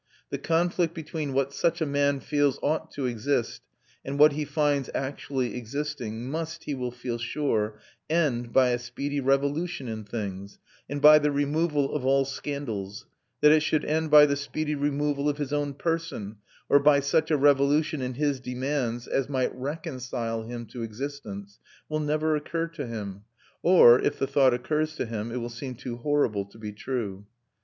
The conflict between what such a man feels ought to exist and what he finds actually existing must, he will feel sure, end by a speedy revolution in things, and by the removal of all scandals; that it should end by the speedy removal of his own person, or by such a revolution in his demands as might reconcile him to existence, will never occur to him; or, if the thought occurs to him, it will seem too horrible to be true.